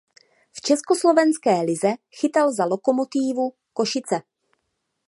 V československé lize chytal za Lokomotívu Košice.